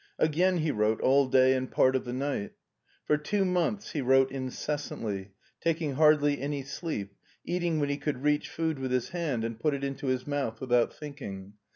Again he wrote all day and part of the night For two months he wrote incessantly, taking hardly any sleep, eating when he could reach food with his hand, and put it into his mouth without thinking.